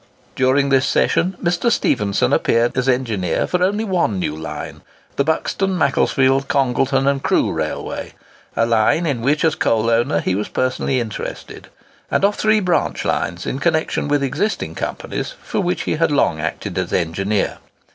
During this session, Mr. Stephenson appeared as engineer for only one new line,—the Buxton, Macclesfield, Congleton, and Crewe Railway—a line in which, as a coal owner, he was personally interested;—and of three branch lines in connexion with existing companies for which he had long acted as engineer.